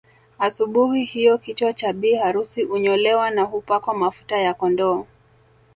Asubuhi hiyo kichwa cha bi harusi unyolewa na hupakwa mafuta ya kondoo